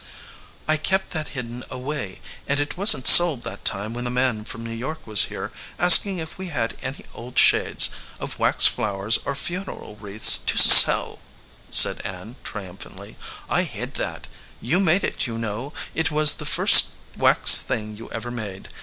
"I kept that hidden away, and it wasn t sold that time when the man from New York was here ask ing if we had any old shades of wax flowers or funeral wreaths to sell," said Ann, triumphantly. 7 89 EDGEWATER PEOPLE "I hid that. You made it, you know. It was the first wax thing you ever made.